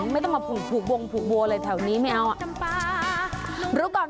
ไม่ต้องมาผูกผูกบวงผูกบัวเลยแถวนี้ไม่เอาอ่ะอยู่ก่อน